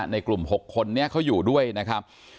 ในกลุ่ม๖คนนี้เขาอยู่ด้วยนะครับ